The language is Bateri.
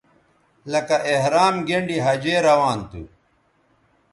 لکہ احرام گینڈی حجے روان تھو